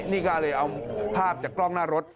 นี่ก็เลยเอาภาพจากกล้องหน้ารถ